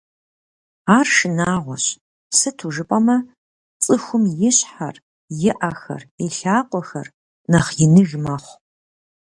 Ар шынагъуэщ, сыту жыпӀэмэ, цӀыхум и щхьэр, и Ӏэхэр, и лъакъуэхэр нэхъ иныж мэхъу.